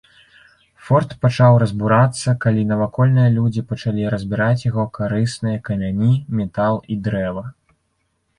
Форт пачаў разбурацца, калі навакольныя людзі пачалі разбіраць яго карысныя камяні, метал і дрэва.